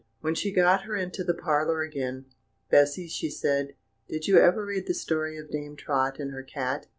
When she got her into the parlour again, "Bessy," she said, "did you ever read the story of Dame Trot and her Cat?"